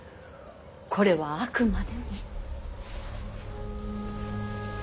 これはあくまでも。